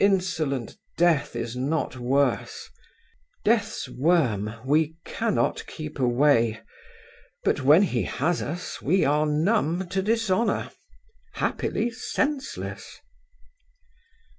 Insolent death is not worse. Death's worm we cannot keep away, but when he has us we are numb to dishonour, happily senseless.